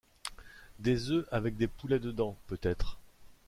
Des œufs avec des poulets dedans, peut-être!